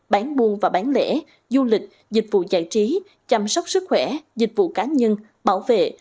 bán buôn và bán lễ du lịch dịch vụ giải trí chăm sóc sức khỏe dịch vụ cá nhân bảo vệ